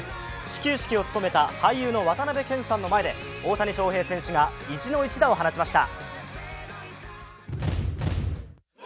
始球式を務めた俳優の渡辺謙さんの前で大谷翔平選手が意地の一打を放ちました。